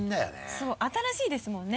そう新しいですもんね。